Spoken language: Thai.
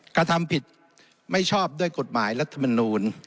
กระทำผิดไม่ชอบด้วยกฎหมายรัฐมนูล